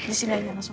di sini aja langsung